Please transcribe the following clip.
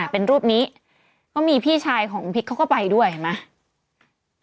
เป็นรูปนี้ก็มีพี่ชายของพริกเขาก็ไปด้วยเห็นไหม